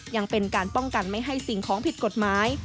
ยังเป็นการป้องกันไม่ให้สิ่งของผิดกฎหมาย